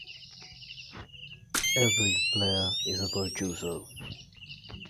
Every player is a virtuoso.